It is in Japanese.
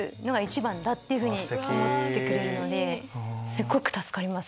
すっごく助かります。